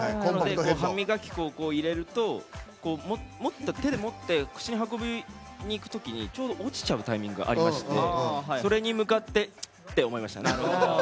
歯磨き粉つけてもっと手で持って口に運びにいくときにちょうど落ちちゃうタイミングがありましてそれに向かってチッって思いました。